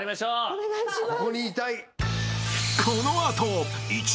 お願いします。